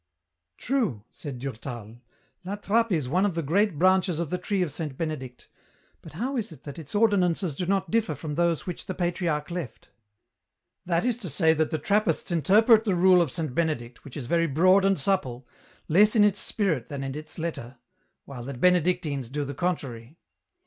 "True," said Durtal, "La Trappe is one of the great branches of the tree of Saint Benedict, but how is it that its ordinances do not differ from those which the Patriarch left ?"" That is to say that the Trappists interpret the rule of Saint Benedict, which is very broad and supple, less in its spirit than in its letter, while the Benedictines do the contrary.